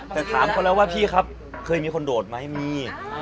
แต่ถามเขาแล้วว่าพี่ครับเคยมีคนโดดไหมมี